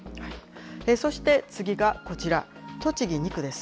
そして次がこちら、栃木２区です。